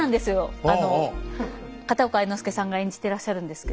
片岡愛之助さんが演じてらっしゃるんですけど。